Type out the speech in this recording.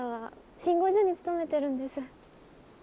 信号所に勤めてるんです。